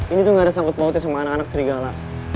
ini tuh gak ada sangkut pautnya sama anak anak serigala